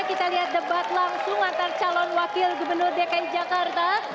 kita lihat debat langsung antar calon wakil gubernur dki jakarta